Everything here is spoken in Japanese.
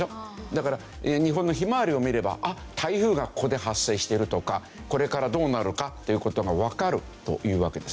だから日本のひまわりを見れば台風がここで発生してるとかこれからどうなるかという事がわかるというわけですね。